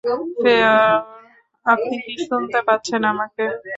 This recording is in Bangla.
ফ্রেয়র, আপনি কি শুনতে পাচ্ছেন আমাকে?